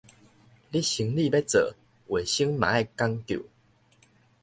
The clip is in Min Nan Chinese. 你生理欲做，衛生嘛愛講究